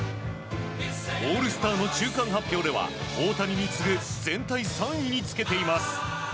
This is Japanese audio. オールスターの中間発表では大谷に次ぐ全体３位につけています。